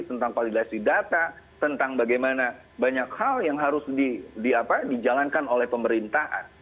tentang validasi data tentang bagaimana banyak hal yang harus dijalankan oleh pemerintahan